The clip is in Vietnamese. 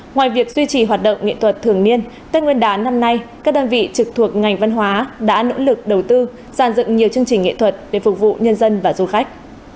ngoài việc duy trì hoạt động nghệ thuật thường niên tết nguyên đán năm nay các đơn vị trực thuộc ngành văn hóa đã nỗ lực đầu tư giàn dựng nhiều chương trình nghệ thuật để phục vụ nhân dân và du khách